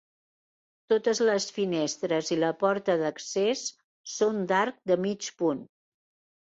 Totes les finestres i la porta d'accés són d'arc de mig punt.